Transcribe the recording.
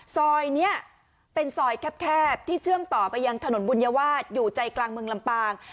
ซอยนี้เป็นซอยแคบที่เชื่อมต่อไปยังถนนบุญวาสอยู่ใจกลางเมืองลำปาง